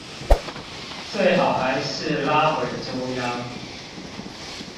最好還是拉回中央